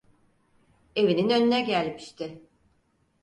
Evinin önüne gelmişti.